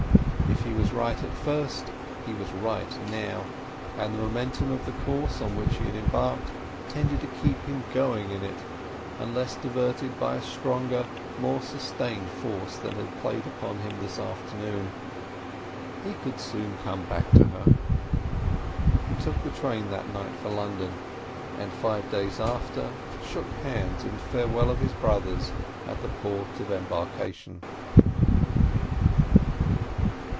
If he was right at first, he was right now. And the momentum of the course on which he had embarked tended to keep him going in it, unless diverted by a stronger, more sustained force than had played upon him this afternoon. He could soon come back to her. He took the train that night for London, and five days after shook hands in farewell of his brothers at the port of embarkation.